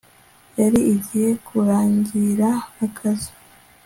yari igiye kurangira akazi